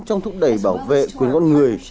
trong thúc đẩy bảo vệ quyền con người